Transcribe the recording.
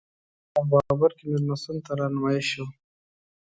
باغ بابر کې مېلمستون ته رهنمایي شوو.